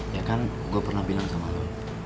ya kan gue pernah bilang sama lo